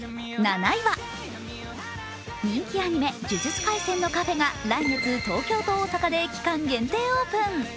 人気アニメ「呪術廻戦」のカフェが来月、東京と大阪で期間限定オープン。